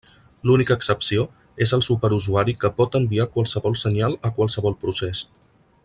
L'única excepció és el superusuari que pot enviar qualsevol senyal a qualsevol procés.